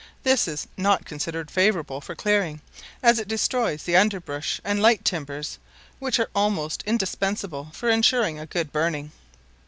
This is not considered favourable for clearing, as it destroys the underbush and light timbers, which are almost indispensable for ensuring a good burning.